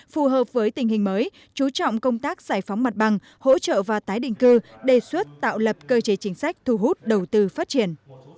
phù hợp với tình hình mới chú trọng công tác giải phóng mặt bằng hỗ trợ và tái định cư đề xuất tạo lập cơ chế chính sách thu hút đầu tư phát triển